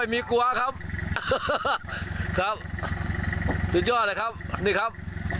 กลัวครับครับสุดยอดเลยครับนี่ครับ